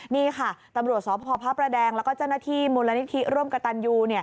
นี่ค่ะตำรวจสพพระประแดงแล้วก็เจ้าหน้าที่มูลนิธิร่วมกับตันยู